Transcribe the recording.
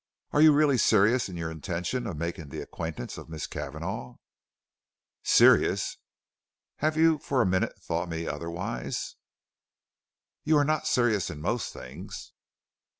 Are you really serious in your intention of making the acquaintance of Miss Cavanagh?" "Serious? Have you for a minute thought me otherwise?" "You are not serious in most things."